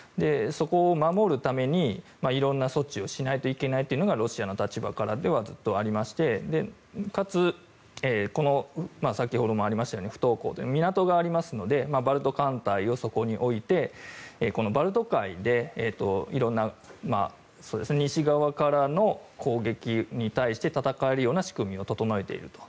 そこを守るために色んな措置をしないといけないというのがロシアの立場からではずっとありましてかつ先ほどもありましたように不凍港港がありますのでバルト艦隊をそこにおいてこのバルト海で色んな西側からの攻撃に対して戦えるような仕組みを整えていると。